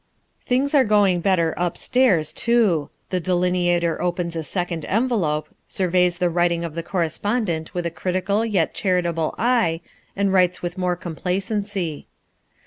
Things are going better upstairs too. The delineator opens a second envelope, surveys the writing of the correspondent with a critical yet charitable eye, and writes with more complacency.